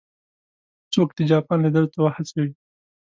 څوک د جاپان لیدلو ته وهڅوي.